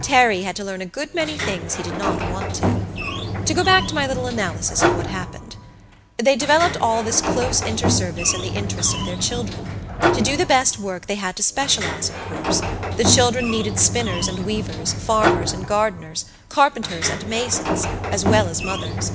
Terry had to learn a good many things he did not want to. To go back to my little analysis of what happened: They developed all this close inter service in the interests of their children. To do the best work they had to specialize, of course; the children needed spinners and weavers, farmers and gardeners, carpenters and masons, as well as mothers.